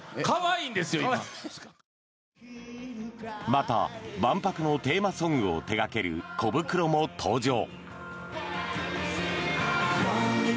また、万博のテーマソングを手掛けるコブクロも登場。